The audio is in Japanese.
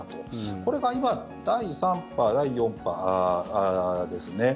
これが今第３波、第４波ですね